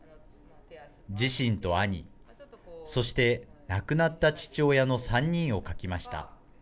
自身と兄、そして亡くなった父親の３人を描きました。